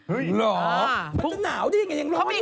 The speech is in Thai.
เห้ยเหรอมันจะหนาวดิยังไงยังร้อนอยู่เหรอ